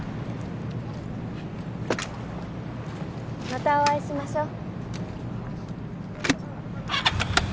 またお会いしましょう。